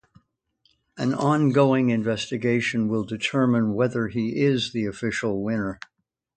An ongoing investigation will determine whether he is the official winner.